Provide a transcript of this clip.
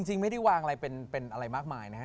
จริงไม่ได้วางอะไรเป็นอะไรมากมายนะฮะ